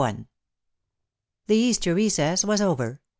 The Easter recess \i'as over.